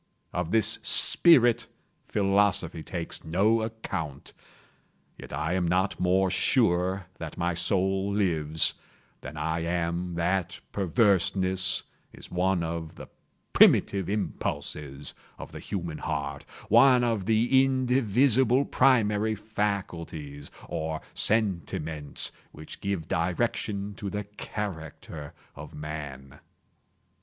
Of this spirit philosophy takes no account. Yet I am not more sure that my soul lives, than I am that perverseness is one of the primitive impulses of the human heart—one of the indivisible primary faculties, or sentiments, which give direction to the character of Man.